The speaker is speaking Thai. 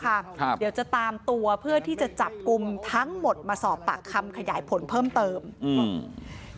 ครับเดี๋ยวจะตามตัวเพื่อที่จะจับกลุ่มทั้งหมดมาสอบปากคำขยายผลเพิ่มเติมอืม